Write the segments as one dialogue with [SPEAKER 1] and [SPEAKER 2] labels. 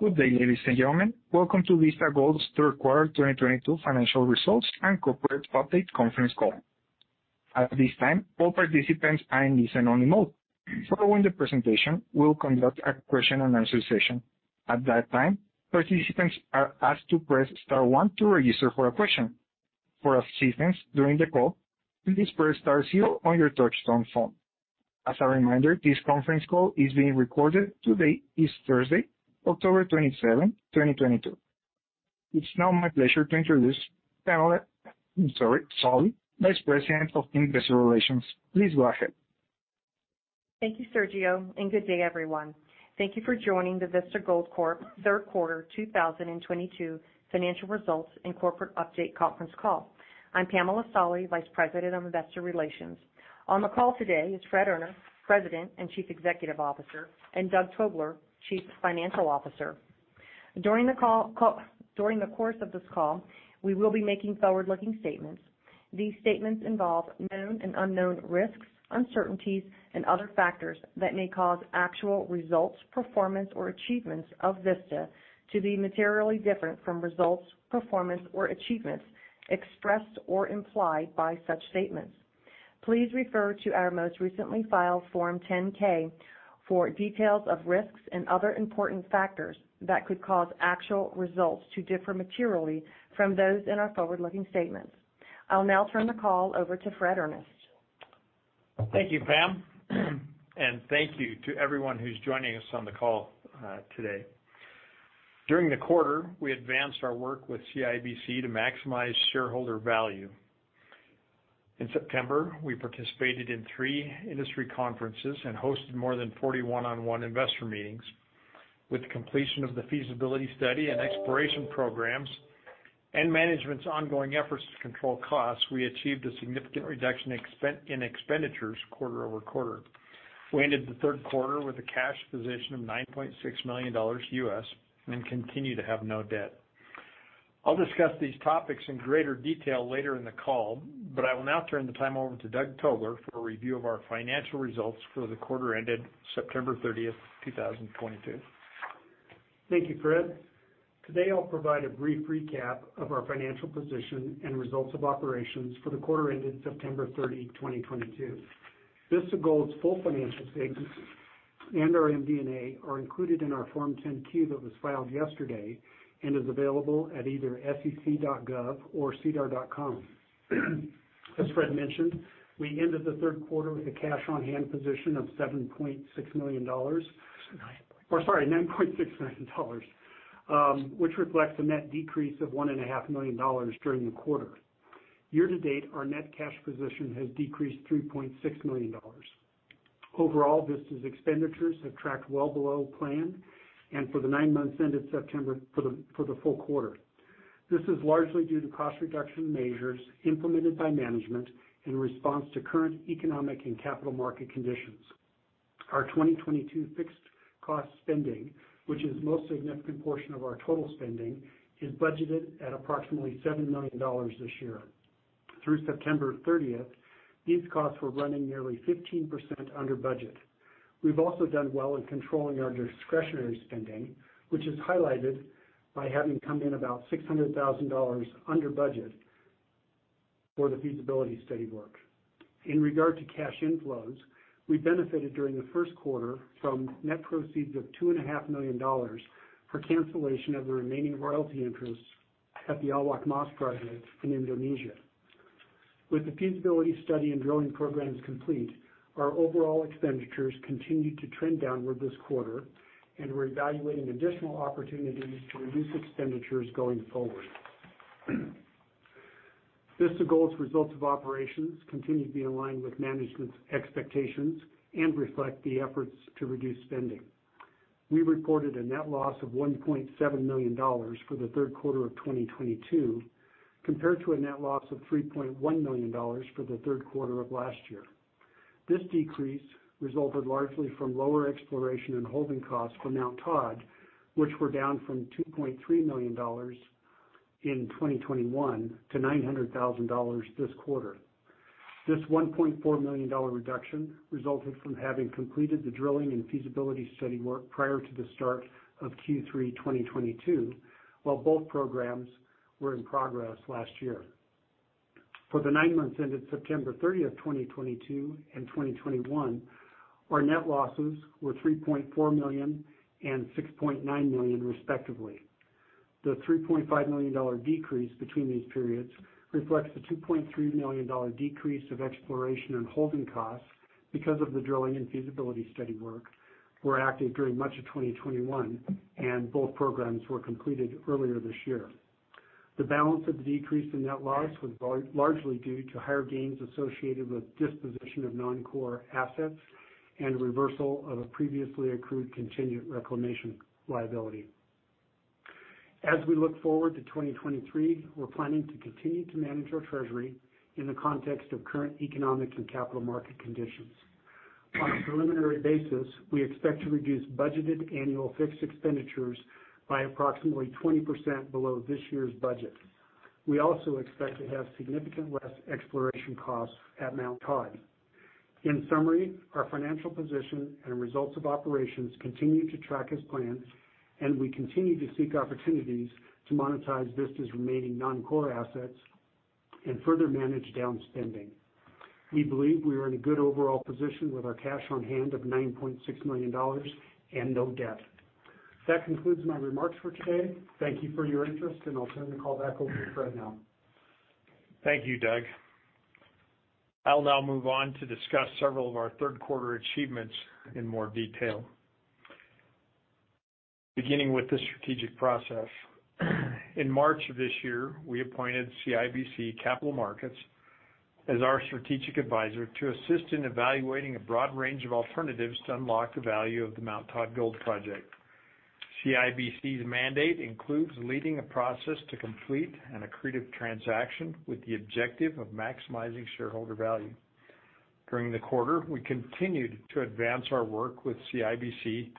[SPEAKER 1] Good day, ladies and gentlemen. Welcome to Vista Gold's Q3 2022 financial results and corporate update conference call. At this time, all participants are in listen-only mode. Following the presentation, we'll conduct a question-and-answer session. At that time, participants are asked to press star one to register for a question. For assistance during the call, please press star zero on your touchtone phone. As a reminder, this conference call is being recorded. Today is Thursday, October 27, 2022. It's now my pleasure to introduce Pamela Solly, Vice President of Investor Relations. Please go ahead.
[SPEAKER 2] Thank you, Sergio, and good day, everyone. Thank you for joining the Vista Gold Corp. Q3 2022 financial results and corporate update conference call. I'm Pamela Solly, Vice President of Investor Relations. On the call today is Fred Earnest, President and Chief Executive Officer, and Doug Tobler, Chief Financial Officer. During the course of this call, we will be making forward-looking statements. These statements involve known and unknown risks, uncertainties, and other factors that may cause actual results, performance, or achievements of Vista to be materially different from results, performance, or achievements expressed or implied by such statements. Please refer to our most recently filed Form 10-K for details of risks and other important factors that could cause actual results to differ materially from those in our forward-looking statements. I'll now turn the call over to Fred Earnest.
[SPEAKER 3] Thank you, Pam, and thank you to everyone who's joining us on the call, today. During the quarter, we advanced our work with CIBC to maximize shareholder value. In September, we participated in three industry conferences and hosted more than 40 one-on-one investor meetings. With the completion of the feasibility study and exploration programs and management's ongoing efforts to control costs, we achieved a significant reduction in expenditures quarter-over-quarter. We ended the Q3 with a cash position of $9.6 million and continue to have no debt. I'll discuss these topics in greater detail later in the call, but I will now turn the time over to Doug Tobler for a review of our financial results for the quarter ended September 30th, 2022.
[SPEAKER 4] Thank you, Fred. Today, I'll provide a brief recap of our financial position and results of operations for the quarter ended September 30, 2022. Vista Gold's full financial statements and our MD&A are included in our Form 10-Q that was filed yesterday and is available at either sec.gov or sedar.com. As Fred mentioned, we ended the Q3 with a cash on hand position of $7.6 million.
[SPEAKER 3] 9.6.
[SPEAKER 4] $9.6 million, which reflects a net decrease of $1.5 million during the quarter. Year-to-date, our net cash position has decreased $3.6 million. Overall, Vista's expenditures have tracked well below plan and for the nine months ended September for the full quarter. This is largely due to cost reduction measures implemented by management in response to current economic and capital market conditions. Our 2022 fixed cost spending, which is the most significant portion of our total spending, is budgeted at approximately $7 million this year. Through September30th, these costs were running nearly 15% under budget. We've also done well in controlling our discretionary spending, which is highlighted by having come in about $600,000 under budget for the feasibility study work. In regard to cash inflows, we benefited during the Q1 from net proceeds of $2.5 million for cancellation of the remaining royalty interests at the Awak Mas project in Indonesia. With the feasibility study and drilling programs complete, our overall expenditures continued to trend downward this quarter, and we're evaluating additional opportunities to reduce expenditures going forward. Vista Gold's results of operations continued to be aligned with management's expectations and reflect the efforts to reduce spending. We reported a net loss of $1.7 million for the Q3 of 2022, compared to a net loss of $3.1 million for the Q3 of last year. This decrease resulted largely from lower exploration and holding costs for Mount Todd, which were down from $2.3 million in 2021 to $900,000 this quarter. This $1.4 million reduction resulted from having completed the drilling and feasibility study work prior to the start of Q3 2022, while both programs were in progress last year. For the nine months ended September 30, 2022 and 2021, our net losses were $3.4 million and $6.9 million, respectively. The $3.5 million decrease between these periods reflects the $2.3 million decrease of exploration and holding costs because of the drilling and feasibility study work were active during much of 2021, and both programs were completed earlier this year. The balance of the decrease in net loss was largely due to higher gains associated with disposition of non-core assets and reversal of a previously accrued contingent reclamation liability. As we look forward to 2023, we're planning to continue to manage our treasury in the context of current economic and capital market conditions. On a preliminary basis, we expect to reduce budgeted annual fixed expenditures by approximately 20% below this year's budget. We also expect to have significant less exploration costs at Mount Todd. In summary, our financial position and results of operations continue to track as planned, and we continue to seek opportunities to monetize Vista's remaining non-core assets and further manage down spending. We believe we are in a good overall position with our cash on hand of $9.6 million and no debt. That concludes my remarks for today. Thank you for your interest, and I'll turn the call back over to Fred now.
[SPEAKER 3] Thank you, Doug. I'll now move on to discuss several of our Q3 achievements in more detail. Beginning with the strategic process. In March of this year, we appointed CIBC Capital Markets as our strategic advisor to assist in evaluating a broad range of alternatives to unlock the value of the Mt. Todd Gold Project. CIBC's mandate includes leading a process to complete an accretive transaction with the objective of maximizing shareholder value. During the quarter, we continued to advance our work with CIBC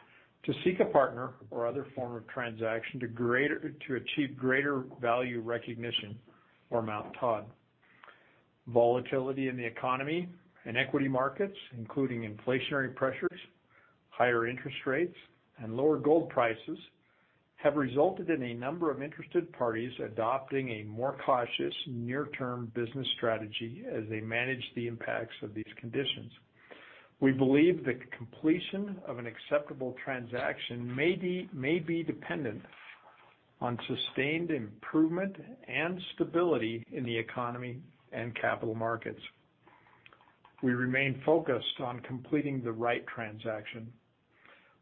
[SPEAKER 3] to seek a partner or other form of transaction to achieve greater value recognition for Mt. Todd. Volatility in the economy and equity markets, including inflationary pressures, higher interest rates, and lower gold prices, have resulted in a number of interested parties adopting a more cautious near-term business strategy as they manage the impacts of these conditions. We believe the completion of an acceptable transaction may be dependent on sustained improvement and stability in the economy and capital markets. We remain focused on completing the right transaction,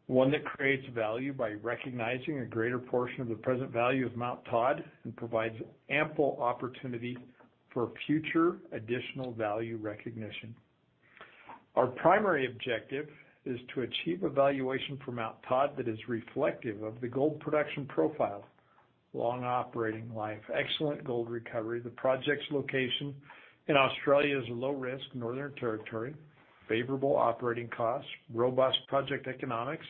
[SPEAKER 3] one that creates value by recognizing a greater portion of the present value of Mt. Todd and provides ample opportunity for future additional value recognition. Our primary objective is to achieve a valuation for Mt. Todd that is reflective of the gold production profile, long operating life, excellent gold recovery, the project's location in Australia's low risk Northern Territory, favorable operating costs, robust project economics,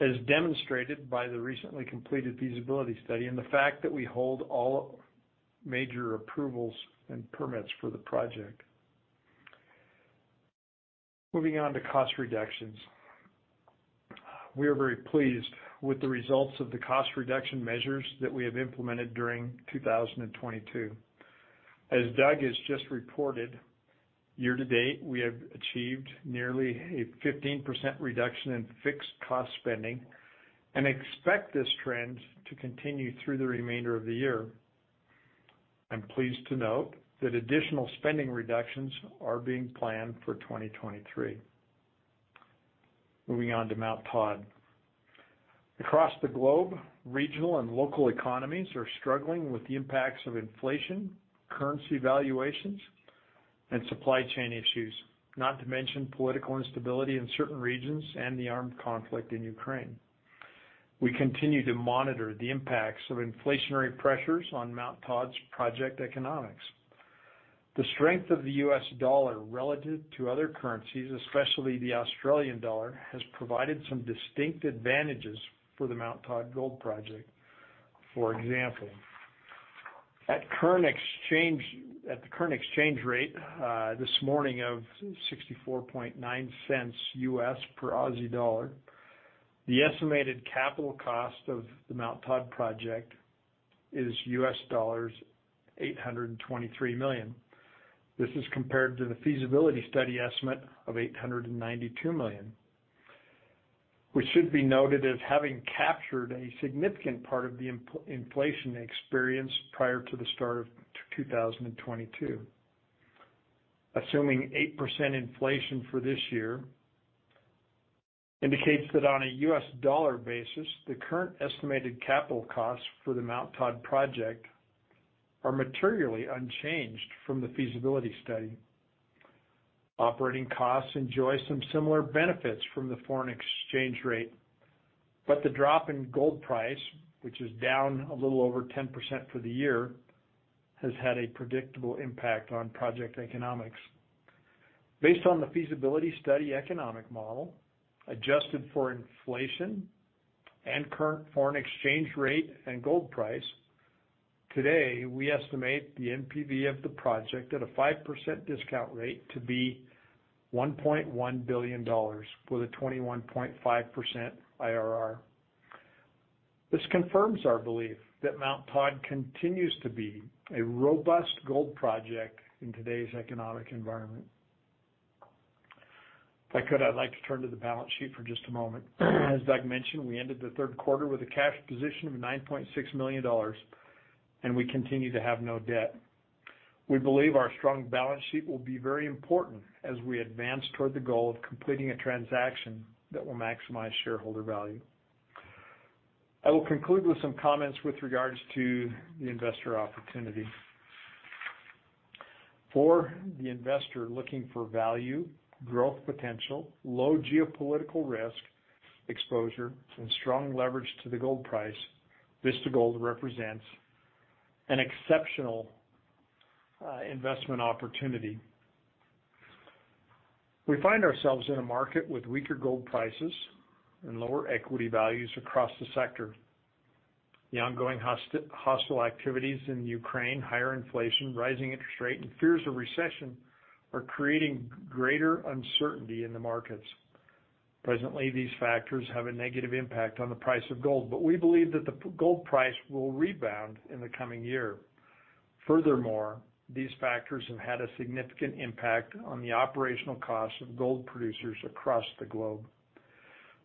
[SPEAKER 3] as demonstrated by the recently completed feasibility study, and the fact that we hold all major approvals and permits for the project. Moving on to cost reductions. We are very pleased with the results of the cost reduction measures that we have implemented during 2022. As Doug has just reported, year to date, we have achieved nearly a 15% reduction in fixed cost spending and expect this trend to continue through the remainder of the year. I'm pleased to note that additional spending reductions are being planned for 2023. Moving on to Mt. Todd. Across the globe, regional and local economies are struggling with the impacts of inflation, currency valuations, and supply chain issues, not to mention political instability in certain regions and the armed conflict in Ukraine. We continue to monitor the impacts of inflationary pressures on Mt. Todd's project economics. The strength of the U.S. dollar relative to other currencies, especially the Australian dollar, has provided some distinct advantages for the Mt. Todd Gold Project. For example, at the current exchange rate this morning of $0.649 per AUD, the estimated capital cost of the Mt. Todd project is $823 million. This is compared to the feasibility study estimate of $892 million, which should be noted as having captured a significant part of the inflation experienced prior to the start of 2022. Assuming 8% inflation for this year indicates that on a US dollar basis, the current estimated capital costs for the Mt. Todd project are materially unchanged from the feasibility study. Operating costs enjoy some similar benefits from the foreign exchange rate, but the drop in gold price, which is down a little over 10% for the year, has had a predictable impact on project economics. Based on the feasibility study economic model, adjusted for inflation and current foreign exchange rate and gold price, today, we estimate the NPV of the project at a 5% discount rate to be $1.1 billion with a 21.5% IRR. This confirms our belief that Mt. Todd continues to be a robust gold project in today's economic environment. If I could, I'd like to turn to the balance sheet for just a moment. As Doug mentioned, we ended the Q3 with a cash position of $9.6 million, and we continue to have no debt. We believe our strong balance sheet will be very important as we advance toward the goal of completing a transaction that will maximize shareholder value. I will conclude with some comments with regards to the investor opportunity. For the investor looking for value, growth potential, low geopolitical risk exposure, and strong leverage to the gold price, Vista Gold represents an exceptional, investment opportunity. We find ourselves in a market with weaker gold prices and lower equity values across the sector. The ongoing hostile activities in Ukraine, higher inflation, rising interest rate, and fears of recession are creating greater uncertainty in the markets. Presently, these factors have a negative impact on the price of gold, but we believe that the gold price will rebound in the coming year. Furthermore, these factors have had a significant impact on the operational costs of gold producers across the globe.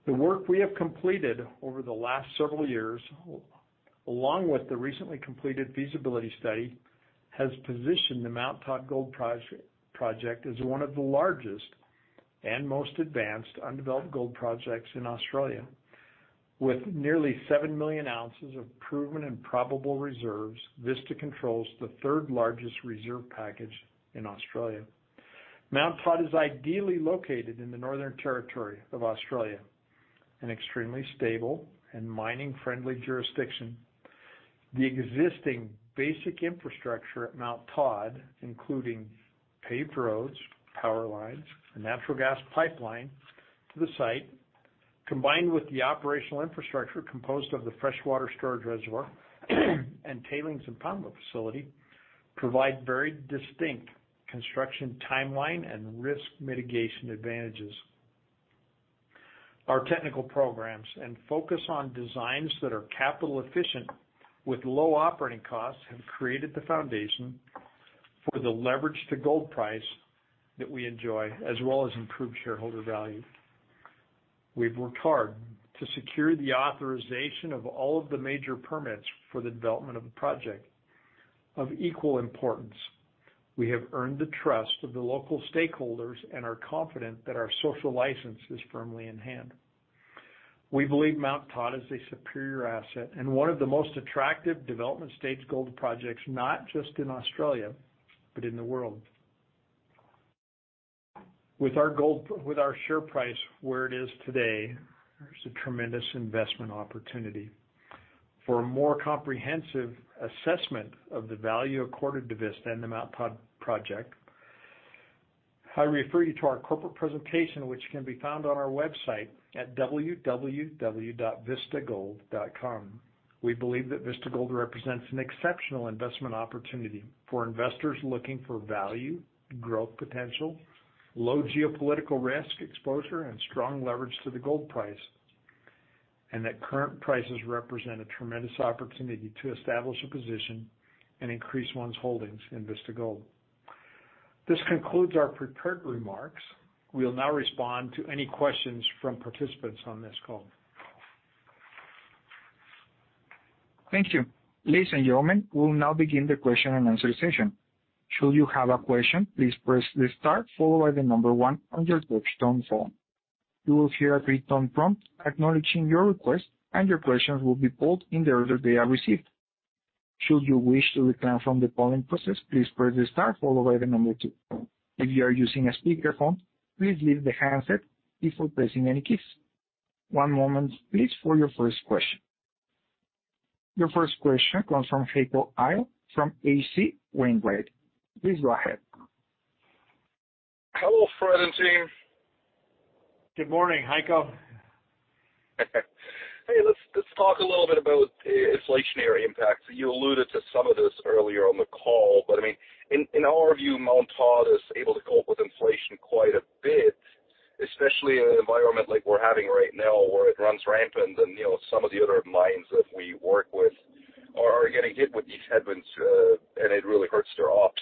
[SPEAKER 3] The work we have completed over the last several years, along with the recently completed feasibility study, has positioned the Mount Todd Gold project as one of the largest and most advanced undeveloped gold projects in Australia. With nearly 7 million ounces of proven and probable reserves, Vista controls the third-largest reserve package in Australia. Mount Todd is ideally located in the Northern Territory of Australia, an extremely stable and mining-friendly jurisdiction. The existing basic infrastructure at Mount Todd, including paved roads, power lines, a natural gas pipeline to the site, combined with the operational infrastructure composed of the freshwater storage reservoir and tailings and pond facility, provide very distinct construction timeline and risk mitigation advantages. Our technical programs and focus on designs that are capital efficient with low operating costs have created the foundation for the leverage to gold price that we enjoy, as well as improved shareholder value. We've worked hard to secure the authorization of all of the major permits for the development of the project. Of equal importance, we have earned the trust of the local stakeholders and are confident that our social license is firmly in hand. We believe Mount Todd is a superior asset and one of the most attractive development-stage gold projects, not just in Australia, but in the world. With our share price where it is today, there's a tremendous investment opportunity. For a more comprehensive assessment of the value accorded to Vista and the Mount Todd Project, I refer you to our corporate presentation, which can be found on our website at www.vistagold.com. We believe that Vista Gold represents an exceptional investment opportunity for investors looking for value, growth potential, low geopolitical risk exposure, and strong leverage to the gold price, and that current prices represent a tremendous opportunity to establish a position and increase one's holdings in Vista Gold. This concludes our prepared remarks. We'll now respond to any questions from participants on this call.
[SPEAKER 1] Thank you. Ladies and gentlemen, we will now begin the question-and-answer session. Should you have a question, please press star followed by the number 1 on your touch-tone phone. You will hear a three-tone prompt acknowledging your request, and your questions will be pulled in the order they are received. Should you wish to withdraw from the polling process, please press star followed by the number 2. If you are using a speakerphone, please leave the handset before pressing any keys. One moment please for your first question. Your first question comes from Heiko Ihle from H.C. Wainwright. Please go ahead.
[SPEAKER 5] Hello, Fred and team.
[SPEAKER 3] Good morning, Heiko.
[SPEAKER 5] Hey, let's talk a little bit about inflationary impacts. You alluded to some of this earlier on the call, but I mean, in our view, Mount Todd is able to cope with inflation quite a bit, especially in an environment like we're having right now, where it runs rampant and, you know, some of the other mines that we work with are getting hit with these headwinds, and it really hurts their ops.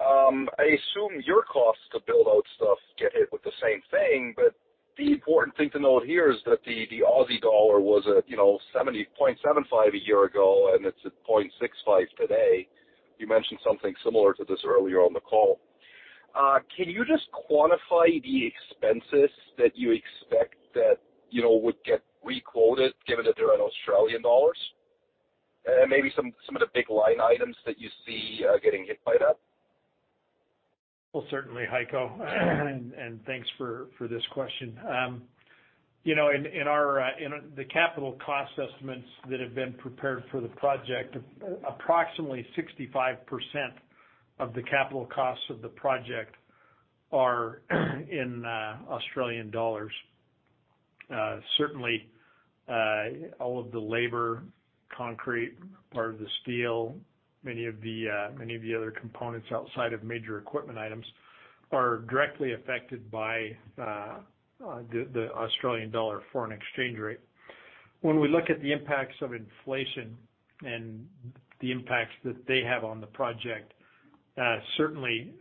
[SPEAKER 5] I assume your costs to build out stuff get hit with the same thing. The important thing to note here is that the Aussie dollar was at, you know, 0.75 a year ago, and it's at 0.65 today. You mentioned something similar to this earlier on the call. Can you just quantify the expenses that you expect that, you know, would get requoted given that they're in Australian dollars? Maybe some of the big line items that you see getting hit by that.
[SPEAKER 3] Well, certainly Heiko, and thanks for this question. You know, in our capital cost estimates that have been prepared for the project, approximately 65% of the capital costs of the project are in Australian dollars. Certainly, all of the labor, concrete, part of the steel, many of the other components outside of major equipment items are directly affected by the Australian dollar foreign exchange rate. When we look at the impacts of inflation and the impacts that they have on the project, certainly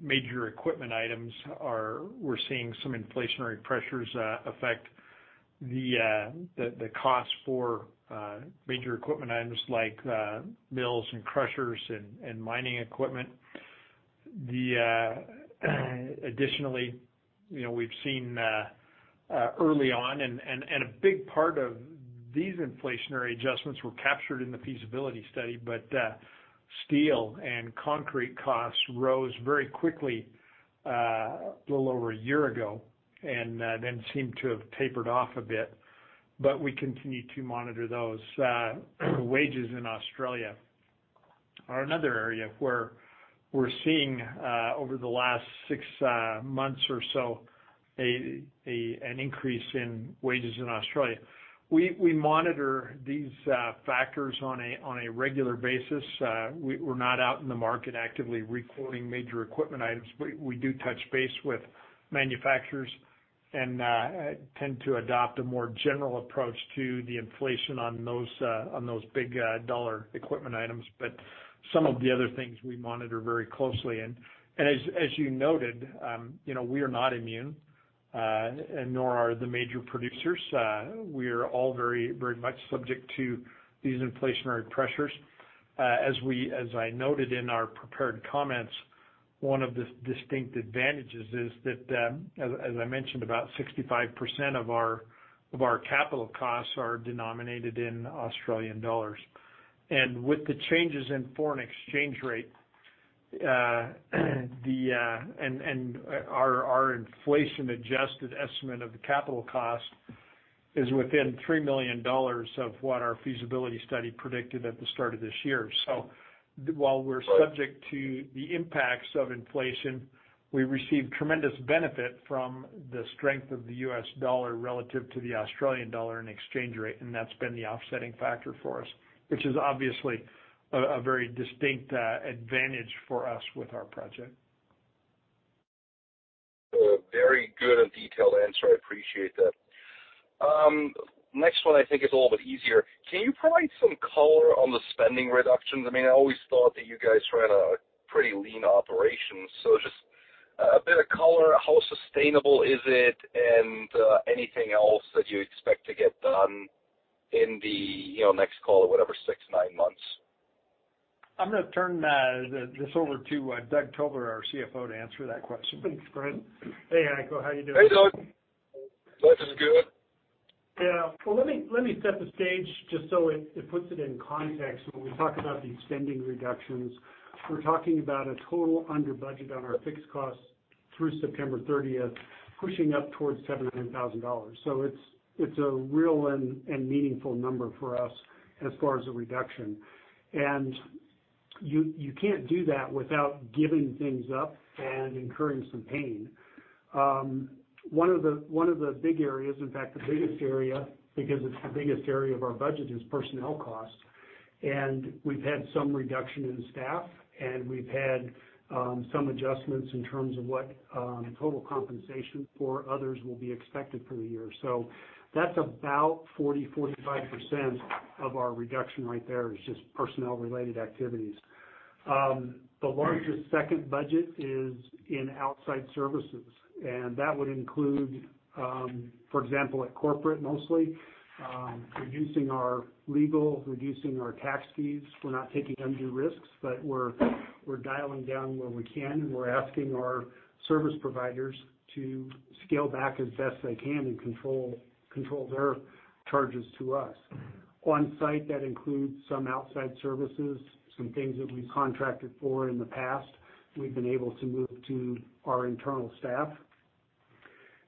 [SPEAKER 3] major equipment items are. We're seeing some inflationary pressures affect the cost for major equipment items like mills and crushers and mining equipment. Additionally, you know, we've seen early on and a big part of these inflationary adjustments were captured in the feasibility study, but steel and concrete costs rose very quickly a little over a year ago, and then seemed to have tapered off a bit, but we continue to monitor those. Wages in Australia are another area where we're seeing over the last 6 months or so an increase in wages in Australia. We monitor these factors on a regular basis. We're not out in the market actively recording major equipment items, but we do touch base with manufacturers and tend to adopt a more general approach to the inflation on those big dollar equipment items. Some of the other things we monitor very closely. As you noted, you know, we are not immune, and nor are the major producers. We are all very much subject to these inflationary pressures. As I noted in our prepared comments, one of the distinct advantages is that, as I mentioned, about 65% of our capital costs are denominated in Australian dollars. With the changes in foreign exchange rate, our inflation-adjusted estimate of the capital cost is within $3 million of what our feasibility study predicted at the start of this year. While we're subject to the impacts of inflation, we receive tremendous benefit from the strength of the US dollar relative to the Australian dollar in exchange rate, and that's been the offsetting factor for us, which is obviously a very distinct advantage for us with our project.
[SPEAKER 5] Very good and detailed answer. I appreciate that. Next one I think is a little bit easier. Can you provide some color on the spending reductions? I mean, I always thought that you guys ran a pretty lean operation, so just a bit of color, how sustainable is it? Anything else that you expect to get done in the, you know, next call or whatever, six, nine months?
[SPEAKER 3] I'm gonna turn this over to Douglas L. Tobler, our CFO, to answer that question.
[SPEAKER 4] Thanks, Frederick H. Earnest. Hey, Heiko Ihle. How you doing?
[SPEAKER 5] Hey, Doug. Life is good.
[SPEAKER 4] Yeah. Well, let me set the stage just so it puts it in context when we talk about the extending reductions. We're talking about a total under budget on our fixed costs through September thirtieth, pushing up towards $700,000. It's a real and meaningful number for us as far as the reduction. You can't do that without giving things up and incurring some pain. One of the big areas, in fact, the biggest area, because it's the biggest area of our budget, is personnel costs. We've had some reduction in staff, and we've had some adjustments in terms of what total compensation for others will be expected for the year. That's about 40%-45% of our reduction right there is just personnel related activities. The largest single budget is in outside services, and that would include, for example, at corporate mostly, reducing our legal, reducing our tax fees. We're not taking undue risks, but we're dialing down where we can. We're asking our service providers to scale back as best they can and control their charges to us. On site, that includes some outside services, some things that we've contracted for in the past, we've been able to move to our internal staff.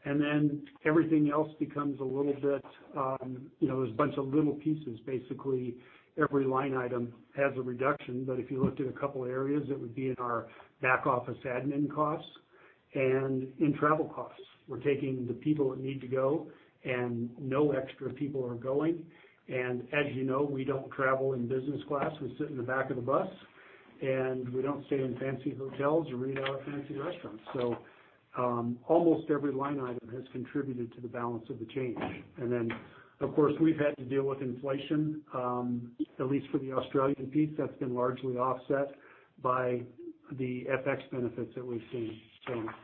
[SPEAKER 4] Then everything else becomes a little bit, you know, there's a bunch of little pieces. Basically, every line item has a reduction. If you looked at a couple of areas, it would be in our back office admin costs and in travel costs. We're taking the people that need to go and no extra people are going. As you know, we don't travel in business class. We sit in the back of the bus, and we don't stay in fancy hotels or eat out at fancy restaurants. Almost every line item has contributed to the balance of the change. Of course, we've had to deal with inflation, at least for the Australian piece, that's been largely offset by the FX benefits that we've seen.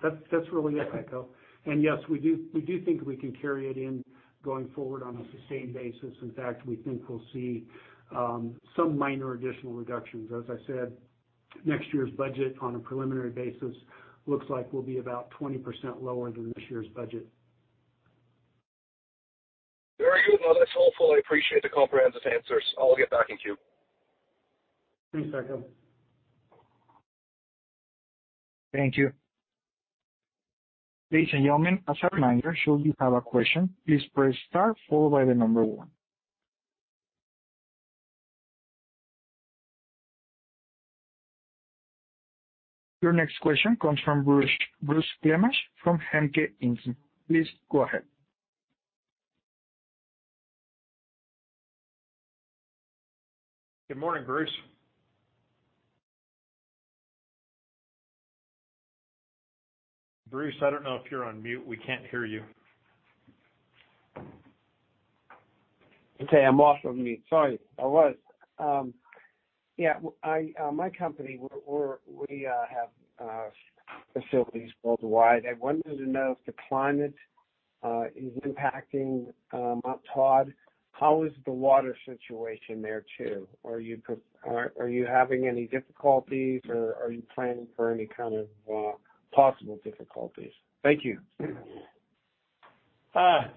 [SPEAKER 4] That's really it, Heiko. Yes, we do think we can carry it in going forward on a sustained basis. In fact, we think we'll see some minor additional reductions. As I said, next year's budget on a preliminary basis looks like we'll be about 20% lower than this year's budget.
[SPEAKER 5] Very good. Well, that's helpful. I appreciate the comprehensive answers. I'll get back in queue.
[SPEAKER 4] Thanks, Heiko.
[SPEAKER 1] Thank you. Ladies and gentlemen, as a reminder, should you have a question, please press Star followed by the number one. Your next question comes from Bruce Gellman from Henk Inc. Please go ahead.
[SPEAKER 3] Good morning, Bruce. Bruce, I don't know if you're on mute. We can't hear you.
[SPEAKER 6] Okay, I'm off of mute. Sorry. I was. Yeah, I, my company, we have facilities worldwide. I wanted to know if the climate is impacting Mount Todd. How is the water situation there too? Are you having any difficulties or are you planning for any kind of possible difficulties? Thank you.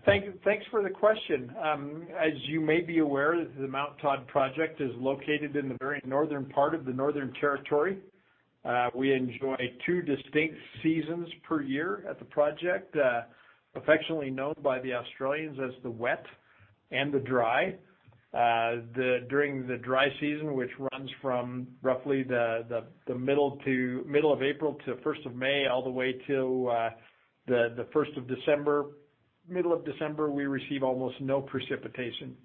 [SPEAKER 3] Thanks for the question. As you may be aware, the Mount Todd project is located in the very northern part of the Northern Territory. We enjoy two distinct seasons per year at the project, affectionately known by the Australians as the wet and the dry. During the dry season, which runs from roughly the middle of April to the first of May, all the way to the first of December, middle of December, we receive almost no precipitation.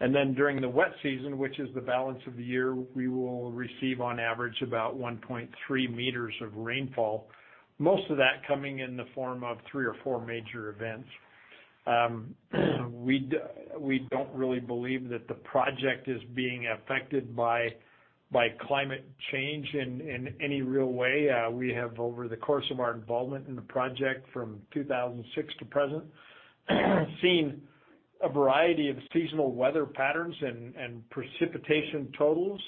[SPEAKER 3] During the wet season, which is the balance of the year, we will receive on average about 1.3 meters of rainfall. Most of that coming in the form of three or four major events. We don't really believe that the project is being affected by climate change in any real way. We have, over the course of our involvement in the project from 2006 to present, seen a variety of seasonal weather patterns and precipitation totals.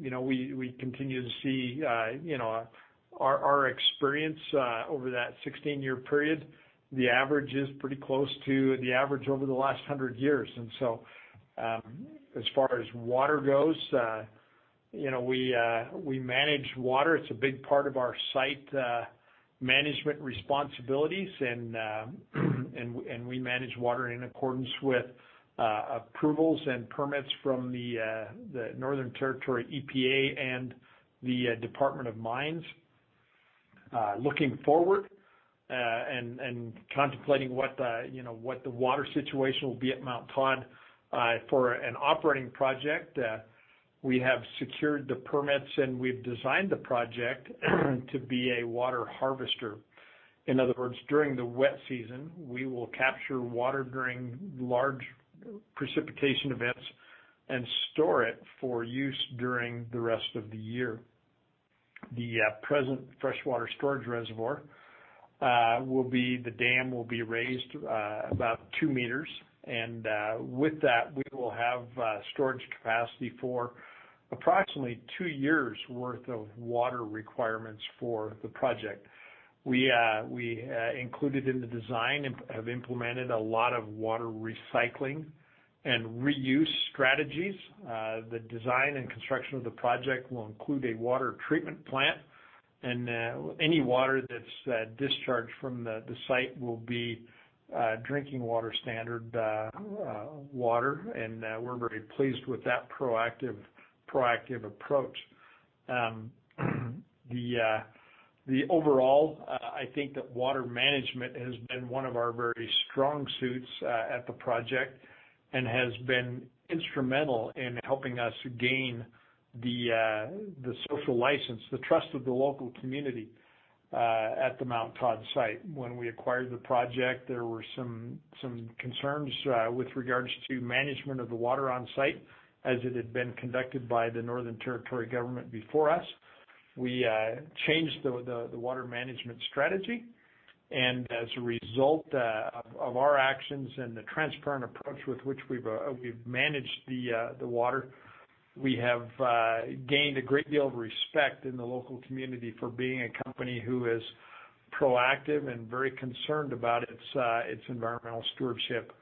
[SPEAKER 3] You know, we continue to see, you know, our experience over that 16-year period, the average is pretty close to the average over the last 100 years. As far as water goes, you know, we manage water. It's a big part of our site management responsibilities and we manage water in accordance with approvals and permits from the Northern Territory EPA and the Department of Mining and Energy. Looking forward and contemplating you know what the water situation will be at Mount Todd for an operating project, we have secured the permits, and we've designed the project to be a water harvester. In other words, during the wet season, we will capture water during large precipitation events and store it for use during the rest of the year. The present freshwater storage reservoir, the dam, will be raised about 2 meters. With that, we will have storage capacity for approximately 2 years' worth of water requirements for the project. We included in the design and have implemented a lot of water recycling and reuse strategies. The design and construction of the project will include a water treatment plant, and any water that's discharged from the site will be drinking water standard water. We're very pleased with that proactive approach. The overall, I think that water management has been one of our very strong suits at the project and has been instrumental in helping us gain the social license, the trust of the local community at the Mount Todd site. When we acquired the project, there were some concerns with regards to management of the water on site as it had been conducted by the Northern Territory government before us. We changed the water management strategy. As a result of our actions and the transparent approach with which we've managed the water, we have gained a great deal of respect in the local community for being a company who is proactive and very concerned about its environmental stewardship.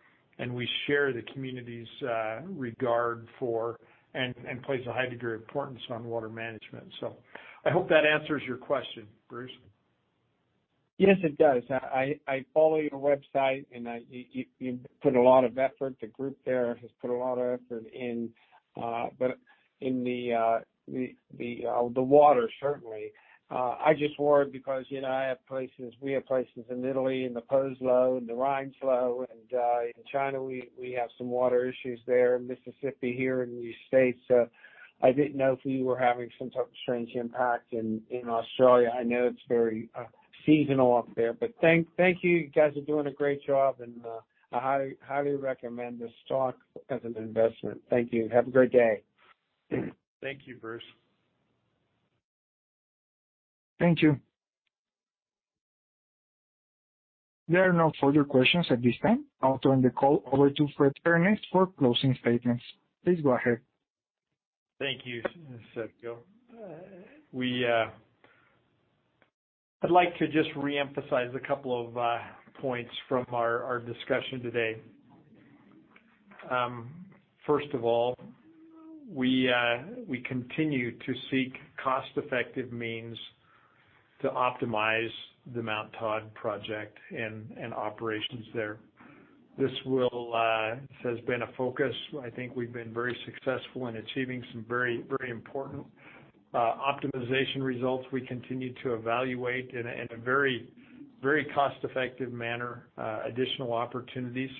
[SPEAKER 3] We share the community's regard for and place a high degree of importance on water management. I hope that answers your question, Bruce.
[SPEAKER 6] Yes, it does. I follow your website, and you've put a lot of effort. The group there has put a lot of effort in, but in the water, certainly. I just worry because, you know, I have places, we have places in Italy, in the Po flow, in the Rhine flow, and in China, we have some water issues there, Mississippi here in the States. I didn't know if you were having some type of strange impact in Australia. I know it's very seasonal up there, but thank you. You guys are doing a great job, and I highly recommend this stock as an investment. Thank you. Have a great day.
[SPEAKER 3] Thank you, Bruce.
[SPEAKER 1] Thank you. There are no further questions at this time. I'll turn the call over to Frederick H. Earnest for closing statements. Please go ahead.
[SPEAKER 3] Thank you, Sergio. I'd like to just reemphasize a couple of points from our discussion today. First of all, we continue to seek cost-effective means to optimize the Mount Todd project and operations there. This has been a focus. I think we've been very successful in achieving some very important optimization results. We continue to evaluate in a very cost-effective manner additional opportunities.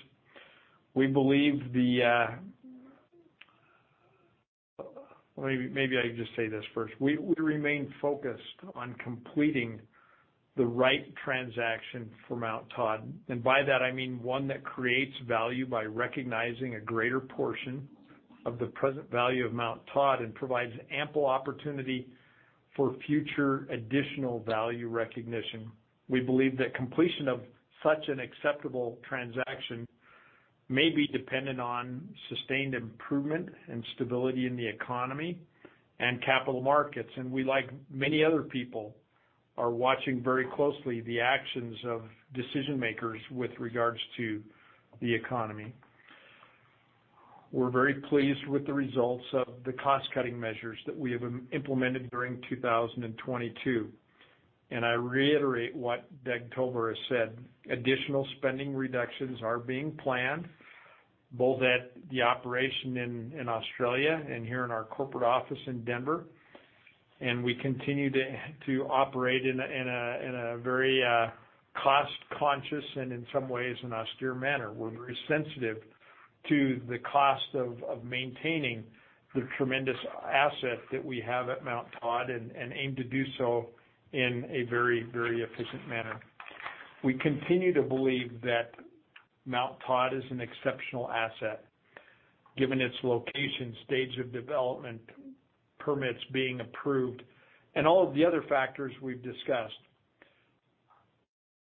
[SPEAKER 3] Or maybe I just say this first. We remain focused on completing the right transaction for Mount Todd, and by that I mean one that creates value by recognizing a greater portion of the present value of Mount Todd and provides ample opportunity for future additional value recognition. We believe that completion of such an acceptable transaction may be dependent on sustained improvement and stability in the economy and capital markets. We, like many other people, are watching very closely the actions of decision makers with regards to the economy. We're very pleased with the results of the cost-cutting measures that we have implemented during 2022. I reiterate what Douglas L. Tobler has said. Additional spending reductions are being planned, both at the operation in Australia and here in our corporate office in Denver. We continue to operate in a very cost-conscious and in some ways an austere manner. We're very sensitive to the cost of maintaining the tremendous asset that we have at Mount Todd and aim to do so in a very efficient manner. We continue to believe that Mount Todd is an exceptional asset, given its location, stage of development, permits being approved, and all of the other factors we've discussed.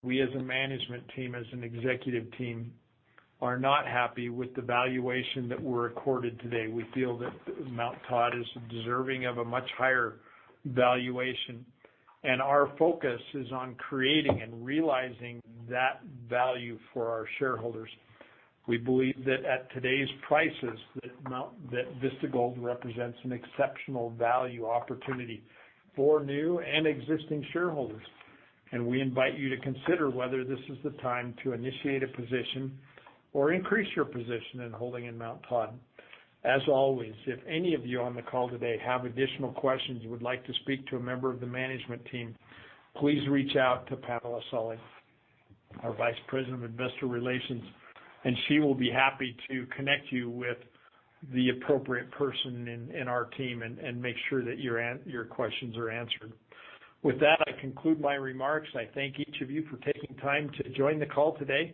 [SPEAKER 3] We as a management team, as an executive team, are not happy with the valuation that we're accorded today. We feel that Mount Todd is deserving of a much higher valuation, and our focus is on creating and realizing that value for our shareholders. We believe that at today's prices, that Vista Gold represents an exceptional value opportunity for new and existing shareholders, and we invite you to consider whether this is the time to initiate a position or increase your position in holding in Mount Todd. As always, if any of you on the call today have additional questions you would like to speak to a member of the management team, please reach out to Pamela A. Solly, our Vice President of Investor Relations, and she will be happy to connect you with the appropriate person in our team and make sure that your questions are answered. With that, I conclude my remarks. I thank each of you for taking time to join the call today,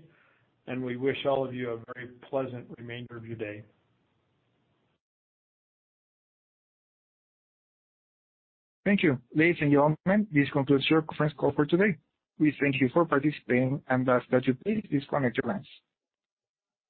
[SPEAKER 3] and we wish all of you a very pleasant remainder of your day.
[SPEAKER 1] Thank you. Ladies and gentlemen, this concludes your conference call for today. We thank you for participating, and ask that you please disconnect your lines.